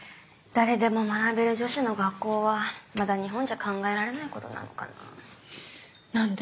誰でも学べる女子の学校はまだ日本じゃ考えられない事なのかな。